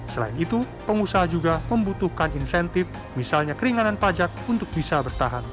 selain itu pengusaha juga membutuhkan insentif misalnya keringanan pajak untuk bisa bertahan